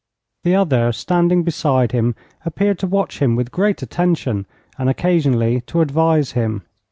The other, standing beside him, appeared to watch him with great attention, and occasionally to advise him.